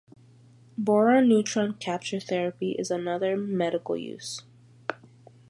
Boron neutron capture therapy is another, medical use.